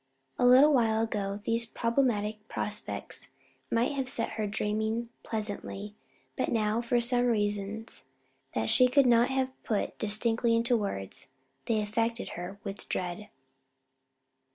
A little while ago, these problematic prospects might have set her dreaming pleasantly; but now, for some reasons that she could not have put distinctly into words, they affected her with dread.